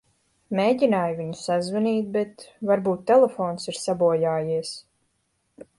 Mēģināju viņu sazvanīt, bet varbūt telefons ir sabojājies.